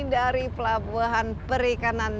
dari pelabuhan perikanan